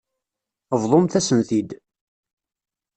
Bḍumt-asen-t-id.